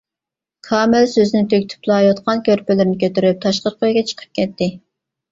كامىل سۆزىنى تۈگىتىپلا يوتقان-كۆرپىلىرىنى كۆتۈرۈپ تاشقىرىقى ئۆيگە چىقىپ كەتتى.